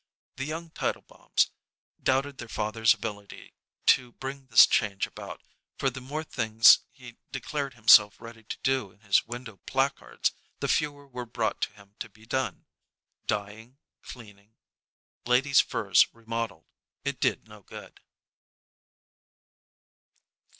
The young Tietelbaums doubted their father's ability to bring this change about, for the more things he declared himself ready to do in his window placards, the fewer were brought to him to be done. "Dyeing, Cleaning, Ladies' Furs Remodeled" it did no good.